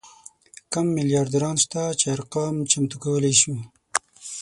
کم میلیاردران شته چې ارقام چمتو کولی شو.